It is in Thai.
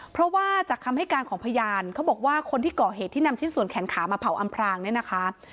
เพราะว่าจากคำให้การของพยานเขาบอกว่าคนที่ก่อเหตุที่นำชิ้นส่วนแขนขามาเผาอำพรางเนี่ยนะคะ